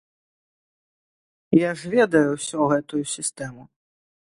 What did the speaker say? Я ж ведаю ўсё гэтую сістэму.